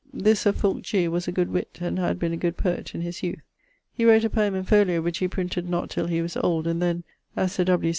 This Sir Fulke G. was a good witt, and had been a good poet in his youth. He wrote a poeme in folio which he printed not till he was old, and then, (as Sir W.